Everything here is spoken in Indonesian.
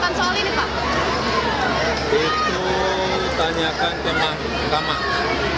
pak ada tambahkan soal hal itu